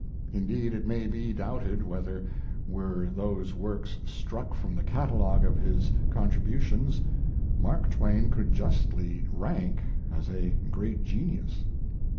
Indeed, it may be doubted whether, were those works struck from the catalogue of his contributions, Mark Twain could justly rank as a great genius.